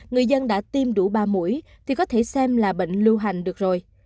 người dân đã tiêm đủ ba mũi thì có thể xem là bệnh lưu hành được rồi